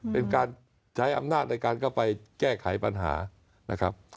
เป็นการใช้อำนาจในการเข้าไปแก้ไขปัญหานะครับ